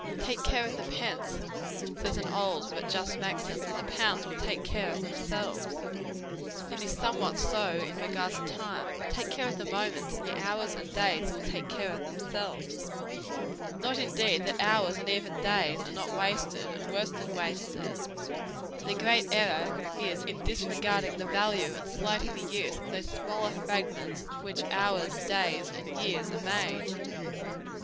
"Take care of the pence," says an old but just maxim, "and the pounds will take care of themselves;" and it is somewhat so in regard to time. Take care of the moments, and the hours and days will take care of themselves. Not, indeed, that hours and even days are not wasted, and worse than wasted; but the great error is, in disregarding the value and slighting the use of those smaller fragments of which hours, days and years are made.